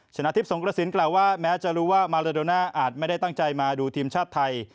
ชนะทิพย์สงกระสินกล่าวว่าแม้จะรู้ว่ามาเลโดน่าอาจไม่ได้ตั้งใจมาดูทีมชาติไทย